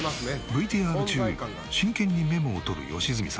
ＶＴＲ中真剣にメモを取る良純さん。